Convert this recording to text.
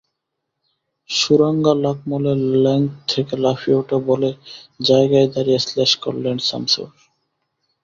সুরাঙ্গা লাকমলের লেংথ থেকে লাফিয়ে ওঠা বলে জায়গায় দাঁড়িয়ে স্ল্যাশ করলেন শামসুর।